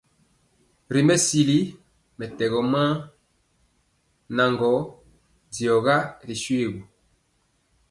Ri mesili mɛtɛgɔ maa naŋgɔ, diɔga ri shoégu.